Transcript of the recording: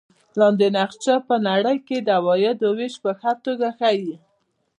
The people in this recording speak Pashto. لاندې نقشه په نړۍ کې د عوایدو وېش په ښه توګه ښيي.